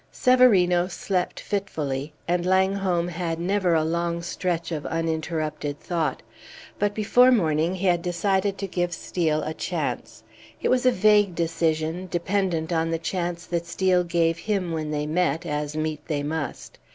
Severino slept fitfully, and Langholm had never a long stretch of uninterrupted thought. But before morning he had decided to give Steel a chance. It was a vague decision, dependent on the chance that Steel gave him when they met, as meet they must.